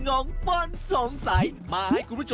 โอ้โหใหญ่มากเลย